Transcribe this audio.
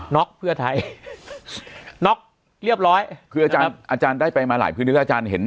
น็อกเพื่อไทยน็อกเรียบร้อยคืออาจารย์ได้ไปมาหลายพื้นฮิต